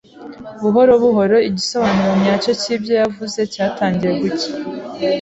Buhoro buhoro igisobanuro nyacyo cyibyo yavuze cyatangiye gucya.